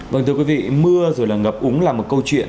vâng thưa quý vị mưa rồi là ngập úng là một câu chuyện